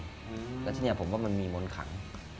แล้วที่นี่ผมว่ามันมีมนต์ขัง